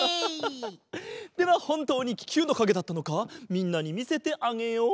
ではほんとうにききゅうのかげだったのかみんなにみせてあげよう。